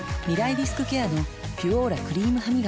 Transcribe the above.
リスクケアの「ピュオーラ」クリームハミガキ